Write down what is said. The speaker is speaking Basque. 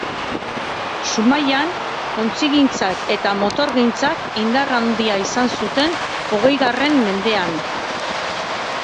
Zumaian ontzigintzak eta motorgintzak indar handia izan zuten hogeigarren mendean.